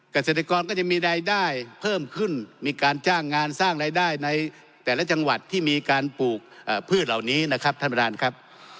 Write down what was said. เกษตรกรก็จะมีรายได้เพิ่มขึ้นมีการจ้างงานสร้างรายได้ในแต่ละจังหวัดที่มีการปลูกพืชเหล่านี้นะครับท่านประธานครับ